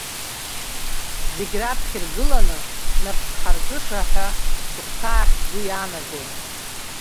Зегь раԥхьа иргыланы нап зҳаркыша ҳәа сыхәҭаахь сгәы иаанаго.